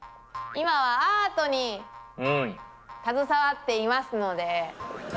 今はアートに携わっていますので。